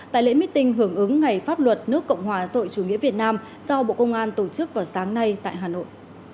tại lễ meeting hưởng ứng ngày pháp luật nước cộng hòa rồi chủ nghĩa việt nam do bộ công an tổ chức vào sáng nay tại hà nội